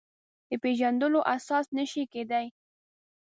د پېژندلو اساس نه شي کېدای.